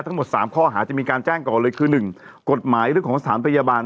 ทั้งหมด๓ข้อหาจะมีการแจ้งก่อนเลยคือ๑กฎหมายเรื่องของสถานพยาบาล